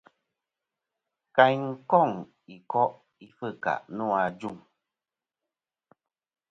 Kayn koŋ i ko'i fɨkà nô ajuŋ.